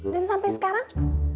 dan sampai sekarang